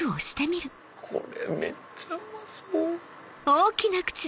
これめっちゃうまそう！